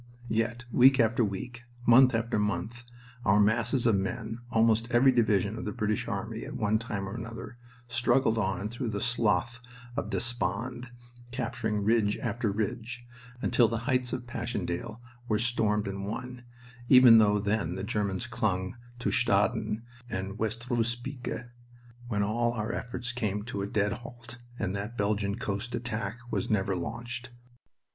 Yet week after week, month after month, our masses of men, almost every division in the British army at one time or another, struggled on through that Slough of Despond, capturing ridge after ridge, until the heights at Passchendaele were stormed and won, though even then the Germans clung to Staden and Westroosebeeke when all our efforts came to a dead halt, and that Belgian coast attack was never launched.